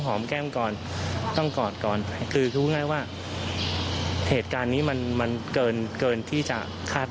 ก็เหนื่องจากเหตุการณ์ทุกวันที่เกิดขึ้น